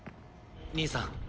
兄さん